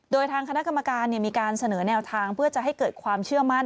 โดยทางคณะกรรมการมีการเสนอแนวทางเพื่อจะให้เกิดความเชื่อมั่น